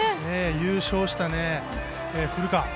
優勝した古川。